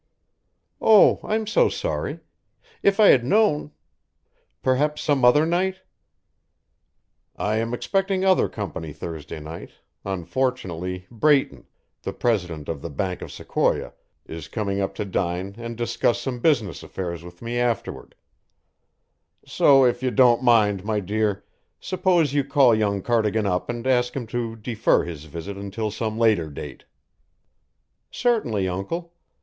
"Oh, I'm so sorry. If I had known Perhaps some other night " "I am expecting other company Thursday night unfortunately, Brayton, the president of the Bank of Sequoia, is coming up to dine and discuss some business affairs with me afterward; so if you don't mind, my dear, suppose you call young Cardigan up and ask him to defer his visit until some later date." "Certainly, Uncle.